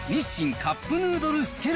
カップヌードル？